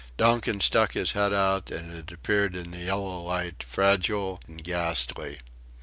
Donkin stuck his head out, and it appeared in the yellow light, fragile and ghastly.